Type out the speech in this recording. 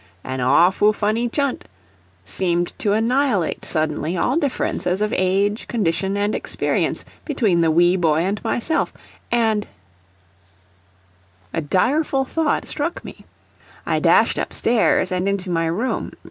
"An awfoo funny chunt" seemed to annihilate suddenly all differences of age, condition and experience between the wee boy and myself, and A direful thought struck me. I dashed up stairs and into my room.